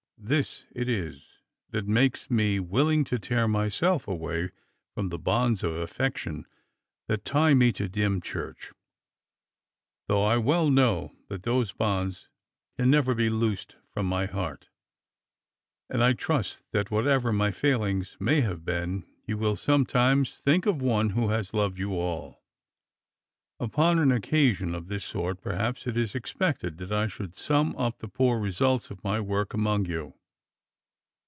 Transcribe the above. This it is that makes me willing to tear myself away from the bonds of affection that tie me to Dymchurch, though I well know that those bonds can never be loosed from my heart; and I trust that whatever my failings may have been, you will sometimes think of one who has loved you all. Upon an occasion of this sort perhaps it is expected that I should sum up the poor results of my work among you.